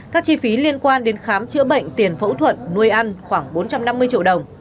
các chi phí liên quan đến khám chữa bệnh tiền phẫu thuật nuôi ăn khoảng bốn trăm năm mươi triệu đồng